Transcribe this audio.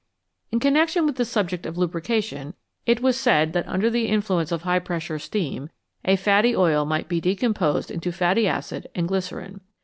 In connection with the subject of lubrication it was said that under the influence of high pressure steam a fatty oil might be decom posed into fatty acid and glycerine.